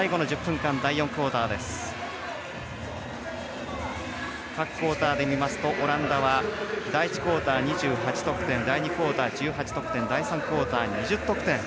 各クオーターで見ますとオランダは第１クオーター２８得点第２クオーター１８得点第３クオーター２０得点。